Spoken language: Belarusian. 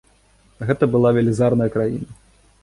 Гэта была велізарная краіна.